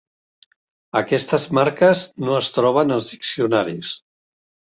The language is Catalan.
Aquestes marques no es troben als diccionaris.